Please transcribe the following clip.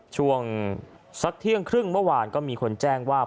ช่วงสักเที่ยงครึ่งเมื่อวานก็มีคนแจ้งว่า